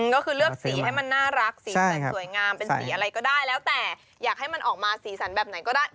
ก็คือเลือกสีให้มันน่ารักสีสันสวยงามเป็นสีอะไรก็ได้แล้วแต่อยากให้มันออกมาสีสันแบบไหนก็ได้